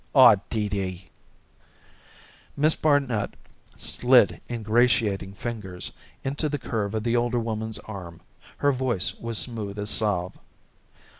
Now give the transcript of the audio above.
Aw, Dee Dee!" Miss Barnet slid ingratiating fingers into the curve of the older woman's arm; her voice was smooth as salve.